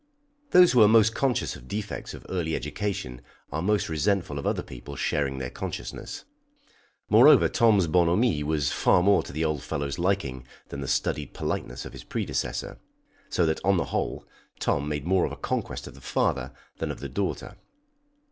Those who are most conscious of defects of early education are most resentful of other people sharing their consciousness. Moreover, Tom's bonhomie was far more to the old fellow's liking than the studied politeness of his predecessor, so that on the whole Tom made more of a conquest of the father than of the daughter.